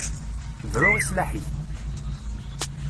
Bru i sslaḥ-ik!